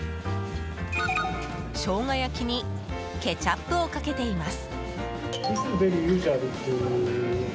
ショウガ焼きにケチャップをかけています。